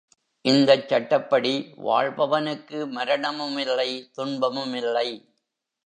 இந்தச் சட்டப்படி வாழ்பவனுக்கு மரணமுமில்லை, துன்பமுமில்லை.